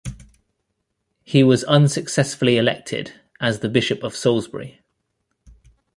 He was unsuccessfully elected as the Bishop of Salisbury.